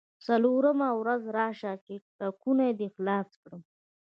څلورمه ورځ راشه چې ټکونه دې خلاص کړم.